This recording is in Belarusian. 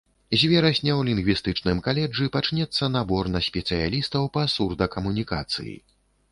З верасня ў лінгвістычным каледжы пачнецца набор на спецыялістаў па сурдакамунікацыі.